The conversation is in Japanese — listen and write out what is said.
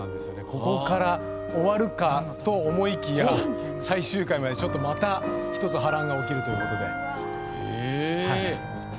ここから終わるかと思いきや最終回までちょっとまた、一つ波乱が起きるということで。